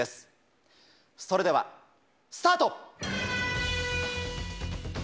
それではスタート！